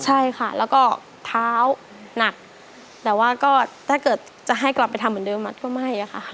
ใช่ค่ะแล้วก็เท้าหนักแต่ว่าก็ถ้าเกิดจะให้กลับไปทำเหมือนเดิมมัดก็ไม่ค่ะ